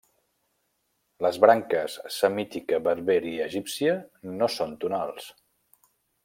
Les branques semítica, berber i egípcia no són tonals.